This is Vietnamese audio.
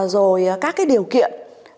rồi các cái điều kiện